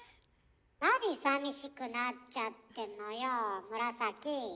何さみしくなっちゃってんのよ紫！